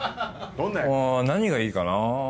何がいいかな？